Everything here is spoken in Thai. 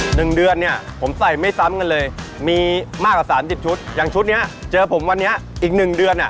หนึ่งเดือนเนี้ยผมใส่ไม่ซ้ำกันเลยมีมากกว่าสามสิบชุดอย่างชุดเนี้ยเจอผมวันนี้อีกหนึ่งเดือนอ่ะ